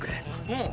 うん。